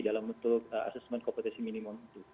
dalam bentuk assessment kompetensi minimum itu